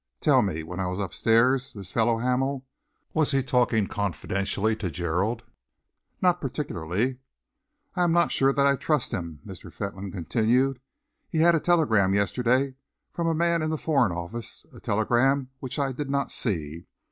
Tell me, when I was up stairs, this fellow Hamel was he talking confidentially to Gerald?" "Not particularly." "I am not sure that I trust him," Mr. Fentolin continued. "He had a telegram yesterday from a man in the Foreign Office, a telegram which I did not see.